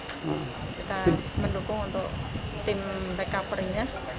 kita mendukung untuk tim recovery nya